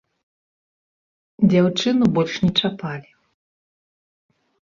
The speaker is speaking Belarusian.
Дзяўчыну больш не чапалі.